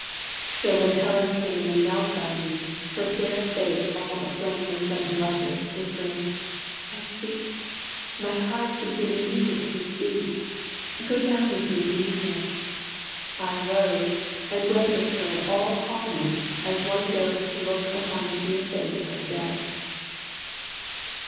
So when Helen came And knelt by me, her fair face all aflame With sudden blushes, whispering, "My sweet! My heart can hear the music of his feet Go down with me to meet him," I arose, And went with her all calmly, as one goes To look upon the dear face of the dead.